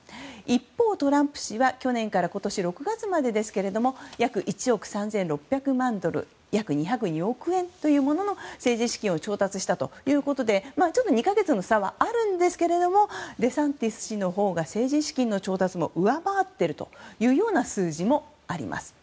一方、トランプ氏は去年から今年６月まで約１億３６００万ドル約２０２億円という政治資金を調達したということで２か月の差はあるんですけどもデサンティス氏のほうが政治資金の調達も上回っているという数字もあります。